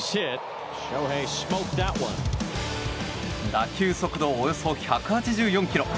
打球速度およそ１８４キロ。